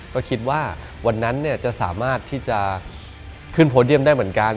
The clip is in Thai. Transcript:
ก็คิดว่าวันนั้นจะสามารถที่จะขึ้นโพเดียมได้เหมือนกัน